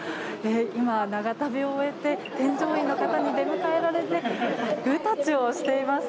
今、長旅を終えて添乗員の方に出迎えられてグータッチをしています。